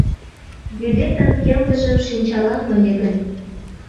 Вӱдетын келгыжым шинчалам ыле гын